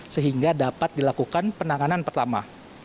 sehingga dapat dilakukan penanganan pertama